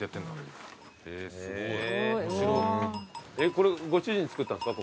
これご主人造ったんですか？